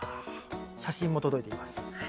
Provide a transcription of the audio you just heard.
写真も届いています。